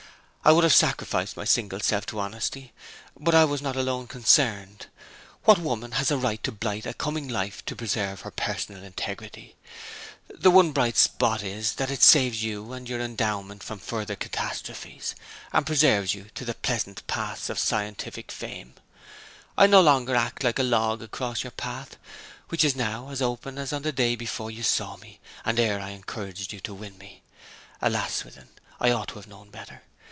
I would have sacrificed my single self to honesty, but I was not alone concerned. What woman has a right to blight a coming life to preserve her personal integrity? ... The one bright spot is that it saves you and your endowment from further catastrophes, and preserves you to the pleasant paths of scientific fame. I no longer lie like a log across your path, which is now as open as on the day before you saw me, and ere I encouraged you to win me. Alas, Swithin, I ought to have known better.